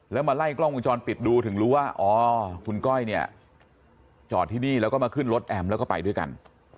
แล้วมาไล่กล้องวงจรปิดดูถึงรู้ว่าอ๋อคุณก้อยเนี่ยจอดที่นี่แล้วก็มาขึ้นรถแอมแล้วก็ไปด้วยกัน